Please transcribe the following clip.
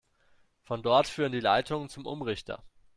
Von dort führen die Leitungen zum Umrichter.